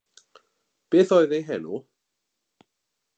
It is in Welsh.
Beth oedd ei henw?